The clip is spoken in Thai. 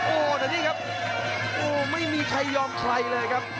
โอ้โหแต่นี่ครับโอ้ไม่มีใครยอมใครเลยครับ